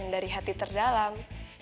dari hati terdalam